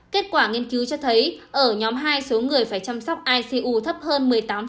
kết quả nghiên cứu cho thấy ở nhóm hai số người phải chăm sóc icu thấp hơn một mươi tám